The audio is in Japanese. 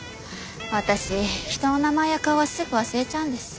私人の名前や顔はすぐ忘れちゃうんです。